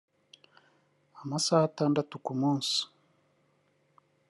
amasaha atandatu ku munsi